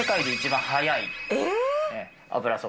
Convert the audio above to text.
えっ！